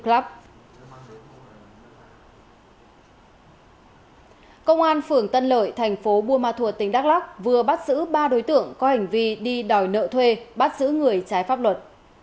cơ quan công an phưởng tân lợi thành phố buôn ma thuột tỉnh đắk lắk vừa bắt giữ ba đối tượng có hành vi đi đòi nợ thuê bắt giữ người trái pháp luật